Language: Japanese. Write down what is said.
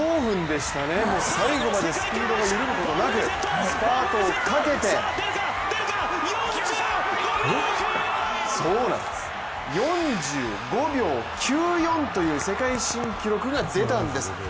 もう最後までスピードが緩むことなくスパートをかけて４５秒９４という世界新記録が出たんです。